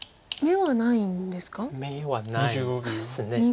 ２眼はないですか。